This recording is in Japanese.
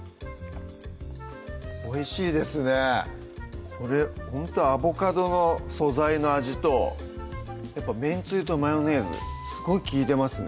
おいしいですねこれほんとアボカドの素材の味とやっぱめんつゆとマヨネーズすごい利いてますね